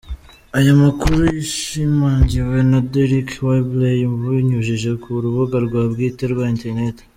Aya makuru, yashimangiwe na Deryck Whibley abinyujije ku rubuga rwe bwite rwa internet .